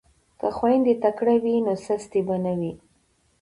که خویندې تکړه وي نو سستي به نه وي.